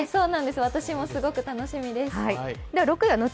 私もすごく楽しみです。